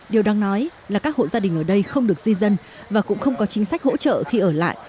điều đáng nói là các hộ gia đình ở đây không được di dân và cũng không có chính sách hỗ trợ khi ở lại